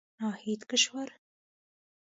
ناهيد کشور